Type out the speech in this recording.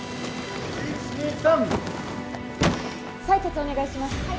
採血お願いします。